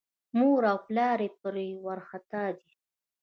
مور او پلار یې پرې وارخطا دي.